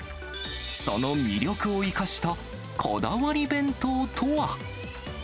その魅力を生かしたこだわり弁当とは。